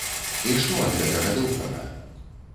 І што ад гэтага добрага?